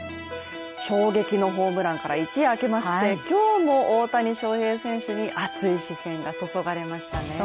衝撃のホームランから一夜明けまして今日も大谷翔平選手に熱い視線が注がれましたね。